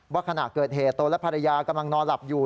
ขณะเกิดเหตุตนและภรรยากำลังนอนหลับอยู่